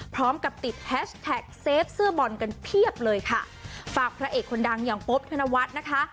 พร้อมกับติดแฮชแท็กเซฟเสื้อบอลกันเพียบเลยค่ะฝากพระเอกคนดังอย่างโป๊บธนวัฒน์นะคะ